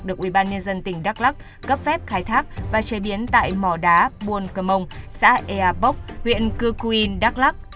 được ubnd tỉnh đắk lắc cấp phép khai thác và chế biến tại mỏ đá buôn cờ mông xã ea bốc huyện cư quỳnh đắk lắc